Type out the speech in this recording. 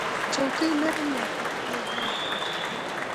چوکۍ نرم یا سخت کېدای شي.